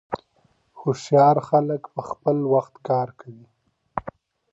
هوښیار خلګ په خپل وخت کار کوي.